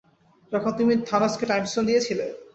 যখন তুমি থানোসকে time stone দিয়েছিলে?